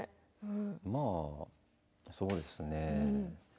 まあ、そうですね。